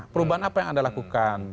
perubahan apa yang anda lakukan